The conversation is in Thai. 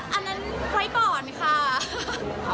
อันนั้นไว้ก่อนค่ะ